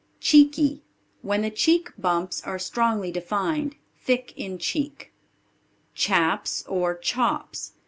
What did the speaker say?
Cheeky. When the cheek bumps are strongly defined; thick in cheek. Chaps or Chops.